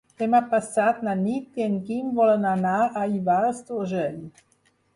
Demà passat na Nit i en Guim volen anar a Ivars d'Urgell.